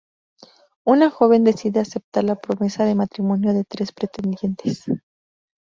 Una joven decide aceptar la promesa de matrimonio de tres pretendientes.